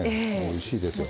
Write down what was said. おいしいですよ。